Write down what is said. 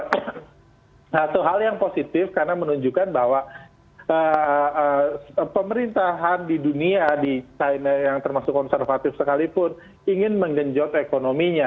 satu hal yang positif karena menunjukkan bahwa pemerintahan di dunia di china yang termasuk konservatif sekalipun ingin menggenjot ekonominya